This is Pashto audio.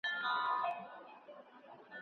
که ماشوم ته ډالۍ اخلئ نو کتاب ور واخلئ.